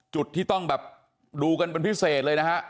จุดที่ต้องดูเป็นแบบพิเศษเลยนะครับ